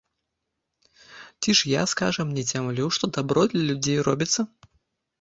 Ці ж я, скажам, не цямлю, што дабро для людзей робіцца?